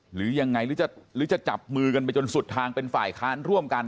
หรือยังไงหรือจะจับมือกันไปจนสุดทางเป็นฝ่ายค้านร่วมกัน